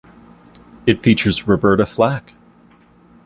It features Roberta Flack.